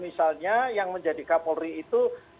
misalnya yang menjadi kapolri itu